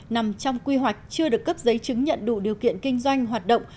nằm trong quy hoạch chưa được cấp giấy chứng nhận đủ điều kiện kinh doanh hoạt động